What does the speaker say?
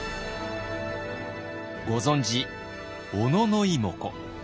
ご存じ小野妹子。